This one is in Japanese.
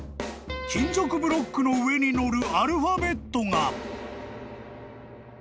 ［金属ブロックの上に載るアルファベットが］